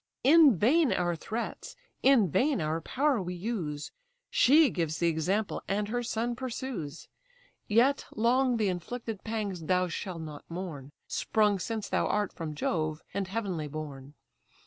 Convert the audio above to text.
In vain our threats, in vain our power we use; She gives the example, and her son pursues. Yet long the inflicted pangs thou shall not mourn, Sprung since thou art from Jove, and heavenly born.